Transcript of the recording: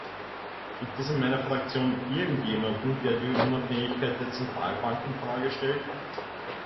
Gibt es in meiner Fraktion irgendjemanden, der die Unabhängigkeit der Zentralbank in Frage stellt?